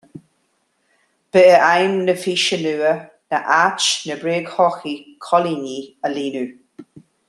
Ba é aidhm na físe nua ná áit na bréagshochaí coilíní a líonadh